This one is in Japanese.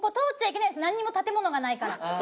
なんにも建物がないから。